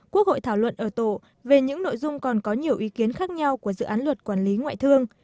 quốc hội thảo luận ở tổ về những nội dung còn có nhiều ý kiến khác nhau của dự án luật quản lý ngoại thương